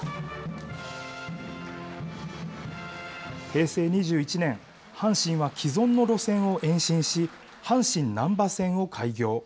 平成２１年、阪神は既存の路線を延伸し、阪神なんば線を開業。